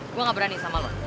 gue gak berani sama lo